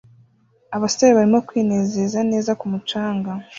Abasore barimo kwinezeza neza ku mucanga